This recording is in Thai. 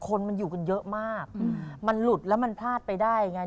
คนมันอยู่กันเยอะมากมันหลุดแล้วมันพลาดไปได้ไง